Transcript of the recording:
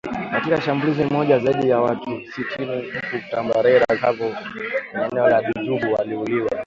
Katika shambulizi moja zaidi ya watu sitini huko Tambarare Savo kwenye eneo la Djubu waliuawa